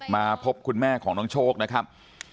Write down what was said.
มาพบคุณแม่ของน้องโชคนะครับ